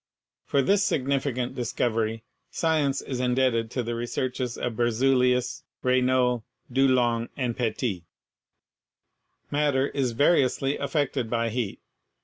For this significant discovery, science is indebted to the researches of Berzelius, Regnault, Dulong and Petit. Matter is variously affected by heat.